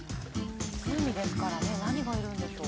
湖ですからね何がいるんでしょう？